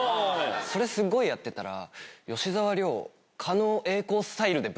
それすごいやってたら。